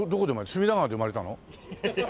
隅田川で生まれたの？